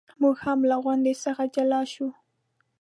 موږ هم له غونډې څخه جلا شو.